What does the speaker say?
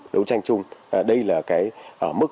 đấu tranh chung đây là mức